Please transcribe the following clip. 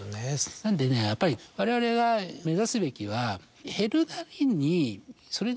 なんでねやっぱりわれわれが目指すべきは。